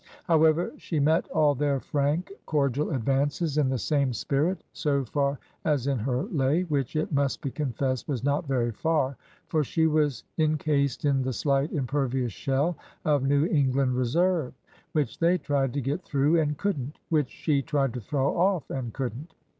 However, she met all their frank, cordial advances in the same spirit, so far as in her lay,— which, it must be confessed, was not very far; for she was incased in the slight, impervious shell of New England reserve, which they tried to get through— and couldn't; which she tried to throw off— and could n't.